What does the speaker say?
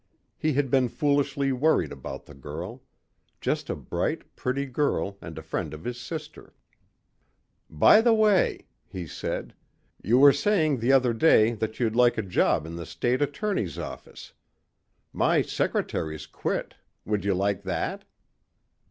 He had been foolishly worried about the girl. Just a bright, pretty girl and a friend of his sister. "By the way," he said, "you were saying the other day that you'd like a job in the state attorney's office. My secretary's quit. Would you like that?"